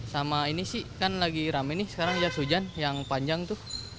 sama ini sih kan lagi rame nih sekarang jas hujan yang panjang tuh